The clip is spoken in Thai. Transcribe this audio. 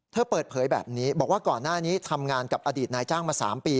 เปิดเผยแบบนี้บอกว่าก่อนหน้านี้ทำงานกับอดีตนายจ้างมา๓ปี